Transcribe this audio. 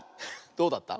どうだった？